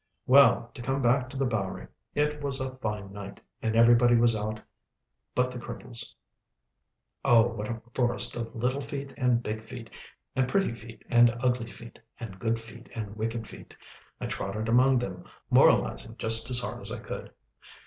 Well, to come back to the Bowery. It was a fine night, and everybody was out but the cripples. Oh, what a forest of little feet and big feet, and pretty feet and ugly feet, and good feet and wicked feet. I trotted among them, moralising just as hard as I could.